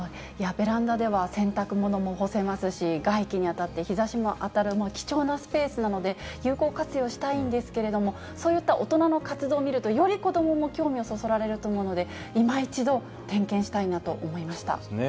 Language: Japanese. ベランダでは、洗濯物も干せますし、外気に当たって、日ざしも当たる貴重なスペースなので、有効活用したいんですけれども、そういった大人の活動を見ると、より子どもも興味をそそられると思うので、いま一度、点検したいなと思いまそうですね。